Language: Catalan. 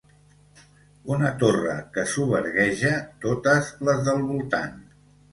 Una torre que sobergueja totes les del voltant.